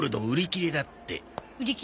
売り切れって？